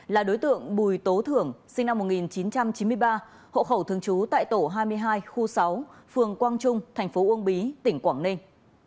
là đối tượng bùi tố thưởng sinh năm một nghìn chín trăm chín mươi ba hộ khẩu thường trú tại tổ hai mươi hai khu sáu phường quang trung thành phố uông bí tỉnh quảng ninh